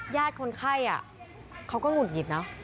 ญาติคนไข้อ่ะเขาก็หุดหยิดนะ